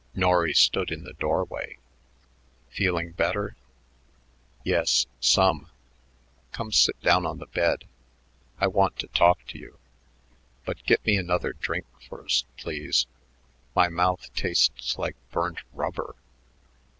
Norry stood in the doorway. "Feeling better?" "Yes, some. Come sit down on the bed. I want to talk to you. But get me another drink first, please. My mouth tastes like burnt rubber."